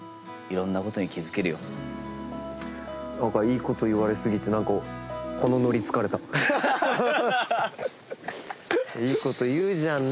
「いいこと言われ過ぎて」いいこと言うじゃんね。